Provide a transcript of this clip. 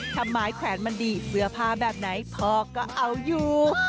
ทำไมแขวนมันดีเสื้อผ้าแบบไหนพ่อก็เอาอยู่